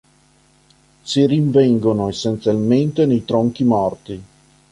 Si rinvengono essenzialmente nei tronchi morti.